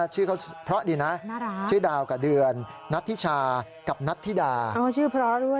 ชื่อเขาเพราะดีนะชื่อดาวกับเดือนนัทธิชากับนัทธิดาชื่อเพราะด้วย